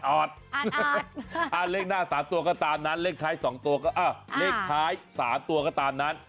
ออดเลขหน้า๓ตัวก็ตามนั้นเลขท้าย๓ตัวก็ตามนั้น